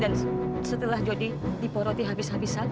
dan setelah jody diporoti habis habisan